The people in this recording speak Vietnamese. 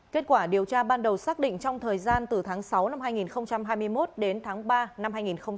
kết quả điều tra ban đầu xác định trong thời gian từ tháng sáu năm hai nghìn hai mươi một đến tháng ba năm hai nghìn hai mươi ba